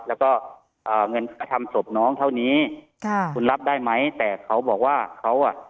แล้วก็เอ่อเงินกระทำศพน้องเท่านี้ค่ะคุณรับได้ไหมแต่เขาบอกว่าเขาอ่ะ